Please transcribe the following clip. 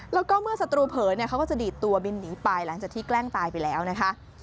แล้วก็เมื่อศัตรูเผลอเขาก็จะดีดตัวบินหนีไปหลังจากที่แกล้งตายไปแล้วนะคะ